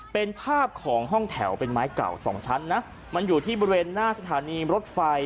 เป็นภาพของห้องแถวเป็นไม้เก่าสองชั้นนะมันอยู่ที่บริเวณหน้าสถานีรถไฟ